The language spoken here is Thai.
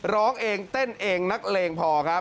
ร้องเองเต้นเองนักเลงพอครับ